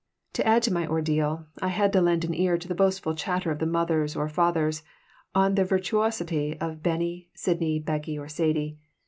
To add to my ordeal, I had to lend an ear to the boastful chatter of the mothers or fathers on the virtuosity of Bennie, Sidney, Beckie, or Sadie.